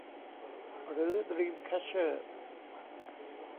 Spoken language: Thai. หรือดรีมแคชเชอร์